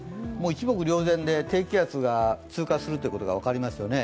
一目瞭然で低気圧が通過するということが分かりますよね。